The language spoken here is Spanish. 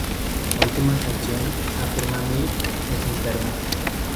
La última sanción, afirma Mill, es interna.